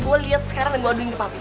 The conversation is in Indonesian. gue liat sekarang dan gue aduin ke papi